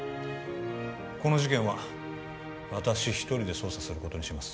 この事件は私一人で捜査することにします